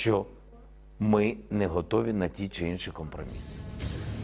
saya akan berhenti untuk membuat kompromisi lain